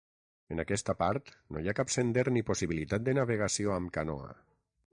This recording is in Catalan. En aquesta part, no hi ha cap sender ni possibilitat de navegació amb canoa.